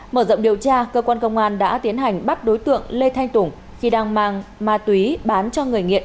mở rộng điều tra cơ quan công an đã tiến hành bắt đối tượng lê thanh tùng khi đang mang ma túy bán cho người nghiện